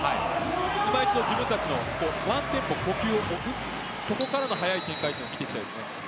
今一度自分たちのワンテンポ呼吸を置くそこからの速い展開を期待したいです。